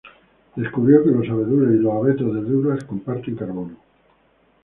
Descubrió que los abedules y los abetos de Douglas comparten carbono.